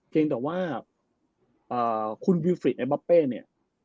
เพียงแต่ว่าคุณวิวฟริกเอ็บอเป้เนี่ย